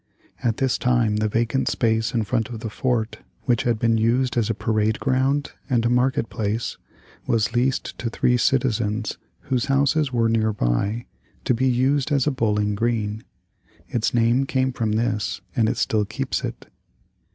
At this time the vacant space in front of the fort, which had been used as a parade ground and a market place, was leased to three citizens whose houses were nearby to be used as a Bowling Green. Its name came from this and it still keeps it.